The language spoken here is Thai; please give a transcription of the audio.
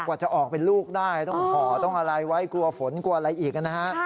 กว่าจะออกเป็นลูกได้ต้องห่อต้องอะไรไว้กลัวฝนกลัวอะไรอีกนะฮะ